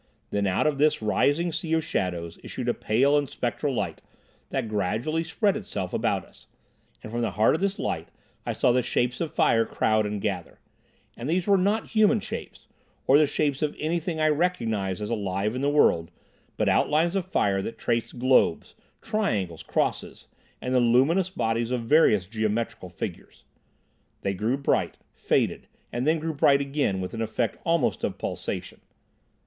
Then, out of this rising sea of shadows, issued a pale and spectral light that gradually spread itself about us, and from the heart of this light I saw the shapes of fire crowd and gather. And these were not human shapes, or the shapes of anything I recognised as alive in the world, but outlines of fire that traced globes, triangles, crosses, and the luminous bodies of various geometrical figures. They grew bright, faded, and then grew bright again with an effect almost of pulsation.